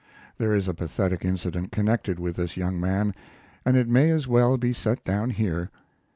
There is a pathetic incident connected with this young man, and it may as well be set down here.